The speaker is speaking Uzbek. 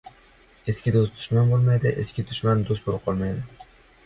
• Eski do‘st dushman bo‘lmaydi, eski dushman do‘st bo‘lib qolmaydi.